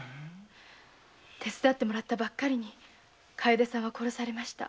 手伝ってもらったばっかりに「かえで」さんは殺されました。